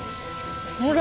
ほら。